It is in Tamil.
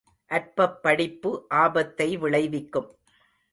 அற்பப் படிப்பு ஆபத்தை விளைவிக்கும்.